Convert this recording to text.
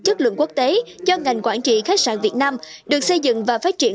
chất lượng quốc tế cho ngành quản trị khách sạn việt nam được xây dựng và phát triển